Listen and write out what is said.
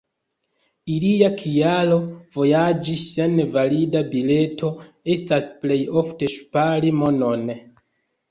Ilia kialo vojaĝi sen valida bileto estas plej ofte ŝpari monon.